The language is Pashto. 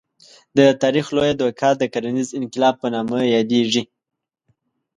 د تاریخ لویه دوکه د کرنیز انقلاب په نامه یادېږي.